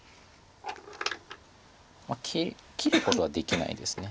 まあ切ることはできないです。